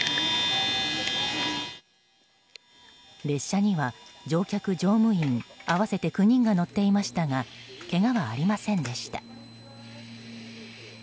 列車には乗客・乗務員合わせて９人が乗っていましたがけがはありませんでした。